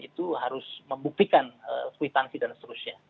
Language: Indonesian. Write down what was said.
itu harus membuktikan suhitan fidanserusnya